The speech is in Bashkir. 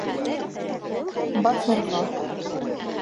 Баҫырға!